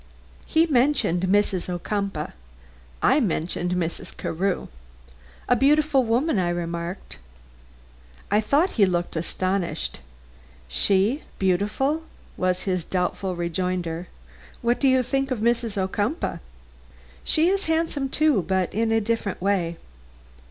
He mentioned Mrs. Ocumpaugh; I mentioned Mrs. Carew. "A beautiful woman," I remarked. I thought he looked astonished. "She beautiful?" was his doubtful rejoinder. "What do you think of Mrs. Ocumpaugh?" "She is handsome, too, but in a different way."